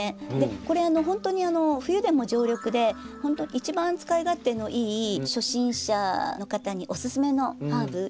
これほんとに冬でも常緑で一番使い勝手のいい初心者の方におすすめのハーブ。